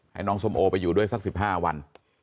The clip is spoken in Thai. ให้น้องทรมโอไปอยู่ด้วยสักสิบห้าวัน